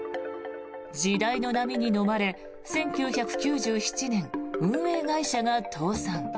時代の波にのまれ１９９７年、運営会社が倒産。